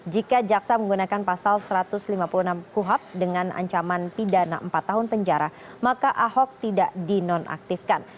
jika jaksa menggunakan pasal satu ratus lima puluh enam kuhap dengan ancaman pidana empat tahun penjara maka ahok tidak dinonaktifkan